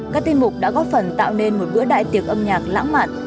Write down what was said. các tiên mục đã góp phần tạo nên một bữa đại tiệc âm nhạc lãng mạn